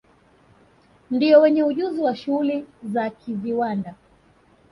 Ndio wenye ujuzi wa shughuli za kiviwanda